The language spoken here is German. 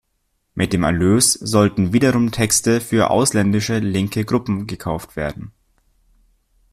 Mit dem Erlös sollten wiederum Texte für ausländische linke Gruppen gekauft werden.